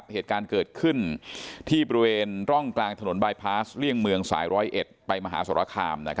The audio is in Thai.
เหตุการณ์เกิดขึ้นที่บริเวณร่องกลางถนนบายพาสเลี่ยงเมืองสาย๑๐๑ไปมหาสรคาม